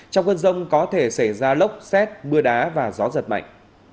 trong cơn rông có thể xảy ra lốc xét mưa đá và gió giật mạnh